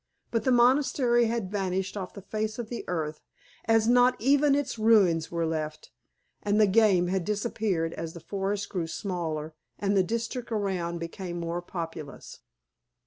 But the monastery had vanished off the face of the earth, as not even its ruins were left, and the game had disappeared as the forest grew smaller and the district around became more populous.